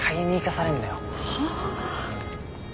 はあ。